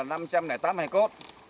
ngôi mộ thứ hai là năm trăm linh tám hải cốt